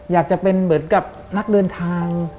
อยากจะเป็นเหมือนกับนักเดินทาง